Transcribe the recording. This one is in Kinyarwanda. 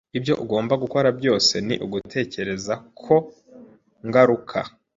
Ibyo ugomba gukora byose ni ugutegereza ko ngaruka.